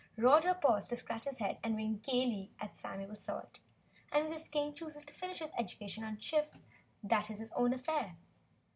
Roger paused to scratch his head and wink gaily at Samuel Salt. "And if this King chooses to finish his education on our ship, that is his own affair."